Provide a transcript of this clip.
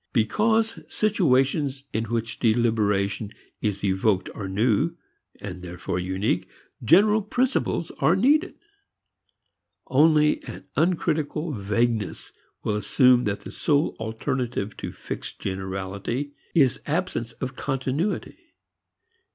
Because situations in which deliberation is evoked are new, and therefore unique, general principles are needed. Only an uncritical vagueness will assume that the sole alternative to fixed generality is absence of continuity.